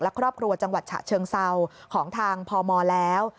และครอบครัวจังหวัดฉะเชิงเศร้าของทางพมแล้ว